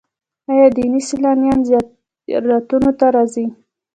آیا دیني سیلانیان زیارتونو ته راځي؟